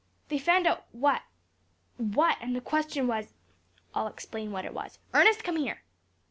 They found out what what, and the question was I'll explain what it was. Ernest, come here."